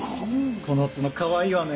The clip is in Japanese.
この角かわいいわね。